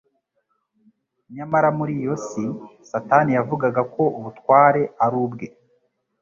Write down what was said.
Nyamara muri iyo si Satani yavugaga ko ubutware ari ubwe